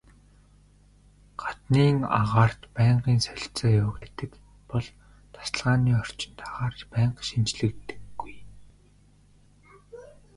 Гаднын агаарт байнгын солилцоо явагдаж байдаг бол тасалгааны орчинд агаар байнга шинэчлэгддэггүй.